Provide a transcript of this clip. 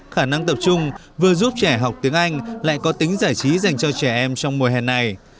khả năng tập trung vừa giúp trẻ học tiếng anh lại có tính giải trí dành cho trẻ em trong mùa hè này